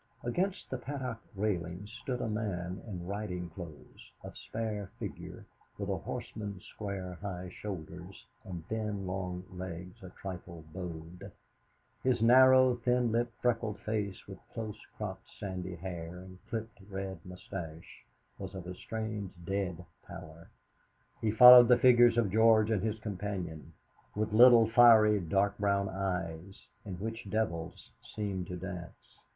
Against the Paddock railings stood a man in riding clothes, of spare figure, with a horseman's square, high shoulders, and thin long legs a trifle bowed. His narrow, thin lipped, freckled face, with close cropped sandy hair and clipped red moustache, was of a strange dead pallor. He followed the figures of George and his companion with little fiery dark brown eyes, in which devils seemed to dance.